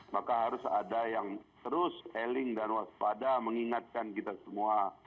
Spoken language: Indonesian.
maka harus ada yang terus eling dan waspada mengingatkan kita semua